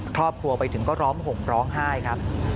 ครอบครัวไปถึงก็ร้อมห่งร้องไห้ครับ